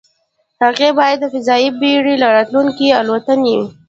هغې باید د فضايي بېړۍ راتلونکې الوتنې